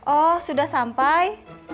oh sudah sampai